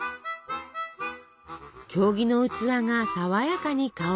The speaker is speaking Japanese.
経木の器が爽やかに香るバニラ。